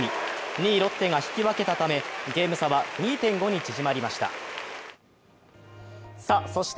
２位・ロッテが引き分けたため、ゲーム差は２．５に縮まりました。